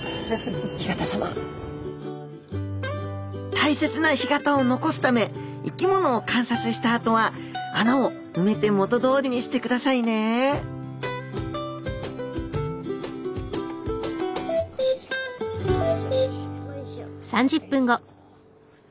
大切な干潟を残すため生き物を観察したあとは穴を埋めて元どおりにしてくださいねよいしょ。